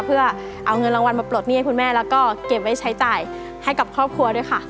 เพื่อเอาเงินรางวัลมาปลดหนี้ให้คุณแม่แล้วก็เก็บไว้ใช้จ่ายให้กับครอบครัวด้วยค่ะ